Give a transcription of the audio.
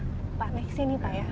pak next ini pak ya